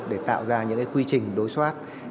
để tạo ra những cái quy trình đối soát